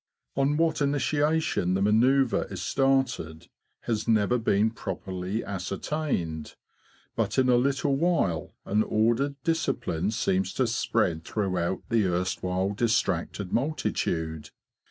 On what initiation the manceuvre is started has never been properly ascertained; but in a little while an ordered discipline seems to spread throughout the erstwhile distracted multitude.